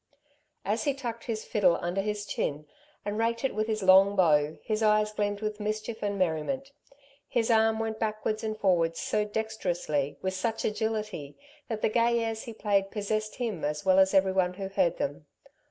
As he tucked his fiddle under his chin and raked it with his long bow, his eyes gleamed with mischief and merriment. His arm went backwards and forwards so dexterously, with such agility, that the gay airs he played possessed him as well as everyone who heard them.